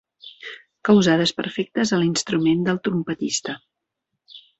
Causar desperfectes a l'instrument del trompetista.